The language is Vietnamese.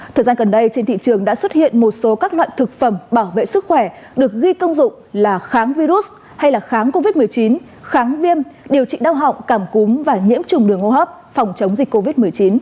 thời gian gần đây trên thị trường đã xuất hiện một số các loại thực phẩm bảo vệ sức khỏe được ghi công dụng là kháng virus hay kháng covid một mươi chín kháng viêm điều trị đau họng cảm cúm và nhiễm trùng đường hô hấp phòng chống dịch covid một mươi chín